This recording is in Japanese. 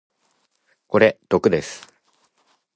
これ毒です。